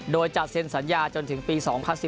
โดยจะเซ็นสัญญาจนถึงปี๒๐๑๙